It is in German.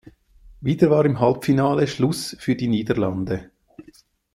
Wieder war im Halbfinale Schluss für die Niederlande.